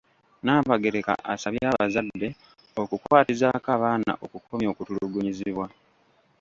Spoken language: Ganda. Nnabagereka asabye abazadde okukwatizaako abaana okukomya okutulugunyizibwa.